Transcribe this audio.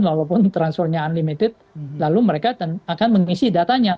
walaupun transfernya unlimited lalu mereka akan mengisi datanya